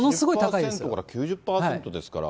８０％から９０％ですから。